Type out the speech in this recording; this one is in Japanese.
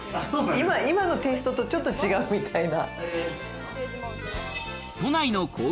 今のテイストとちょっと違うみたいな。